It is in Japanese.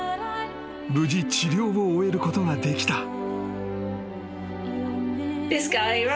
［無事治療を終えることができた］